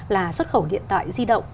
là xuất khẩu điện tải di động